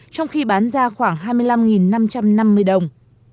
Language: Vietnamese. trong khi bán ra khoảng hai mươi năm năm trăm năm mươi đồng